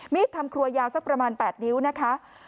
ทำครัวยาวสักประมาณ๘นิ้วนะคะ